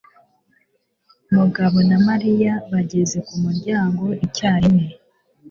Mugabo na Mariya bageze ku muryango icyarimwe.